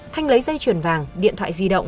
thanh lấy dây chuyển vàng điện thoại di động